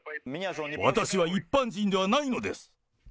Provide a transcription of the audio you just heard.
私は一般人ではないのです。